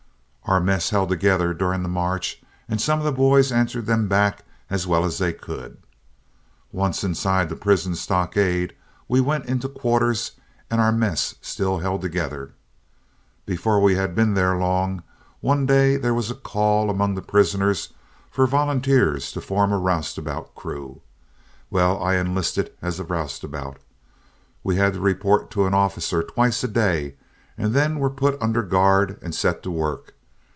Our mess held together during the march, and some of the boys answered them back as well as they could. Once inside the prison stockade, we went into quarters and our mess still held together. Before we had been there long, one day there was a call among the prisoners for volunteers to form a roustabout crew. Well, I enlisted as a roustabout. We had to report to an officer twice a day, and then were put under guard and set to work.